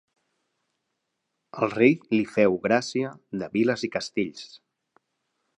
El rei li feu gràcia de viles i castells.